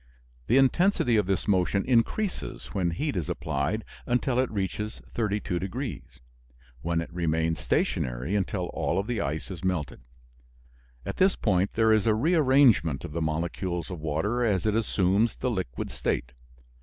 The intensity of this motion increases when heat is applied until it reaches 32 degrees, when it remains stationary until all of the ice is melted. At this point there is a rearrangement of the molecules of water as it assumes the liquid state.